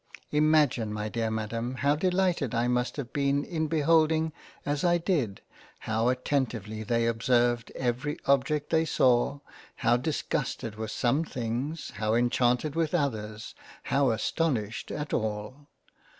Imagine my dear Madam how delighted I must have been in beholding as I did, how attentively they observed every object they saw, how disgusted with some Things, how enchanted with others, how astonished at all